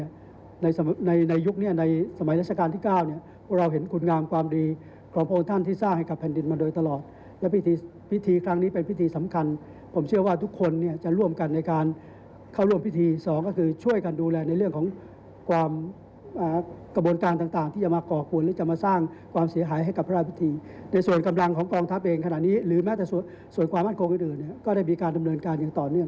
ยังงั้นบอกว่าตำรวจมีมาตรการดูแลรักษาความปลอดภัย